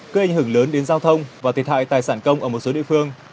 gây ảnh hưởng lớn đến giao thông và thiệt hại tài sản công ở một số địa phương